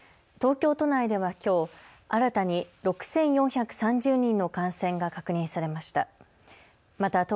東京都内ではきょう新たに６４３０人の感染が確認されました。